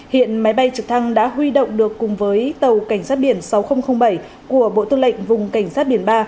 hiện máy bay trực thăng đã huy động được cùng với tàu cảnh sát biển sáu nghìn bảy của bộ tư lệnh vùng cảnh sát biển ba